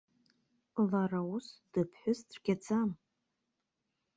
Лара ус дыԥҳәыс цәгьаӡам.